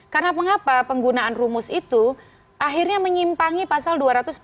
karena mengapa penggunaan rumus itu akhirnya menyimpangi pasal dua ratus empat puluh lima